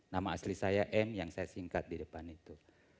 nama asli saya m yang saya singkat di depan itu